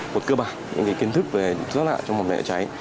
một cơ bản những kiến thức rất lạ trong mặt nhà cháy